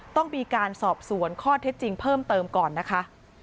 ต้องมีการสอบสวนข้อเท็จจริงเพิ่มเติมก่อนนะคะ